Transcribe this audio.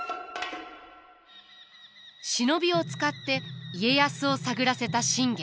忍びを使って家康を探らせた信玄。